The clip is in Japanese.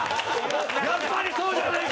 やっぱり、そうじゃねえか！